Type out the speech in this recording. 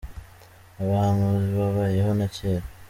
Abahanuzi babayeho na kera.